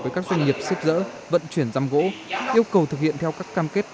với các doanh nghiệp xếp dỡ vận chuyển giam gỗ yêu cầu thực hiện theo các cam kết